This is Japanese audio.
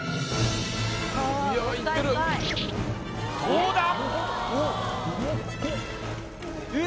どうだ？